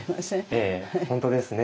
ええ本当ですね。